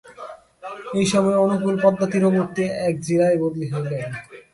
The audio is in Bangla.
এই সময়ে অনুকূল পদ্মাতীরবর্তী এক জিলায় বদলি হইলেন।